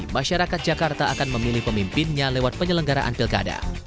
masyarakat jakarta akan memilih pemimpinnya lewat penyelenggaraan pilkada